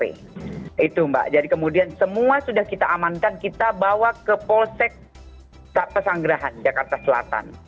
itu mbak jadi kemudian semua sudah kita amankan kita bawa ke polsek pesanggerahan jakarta selatan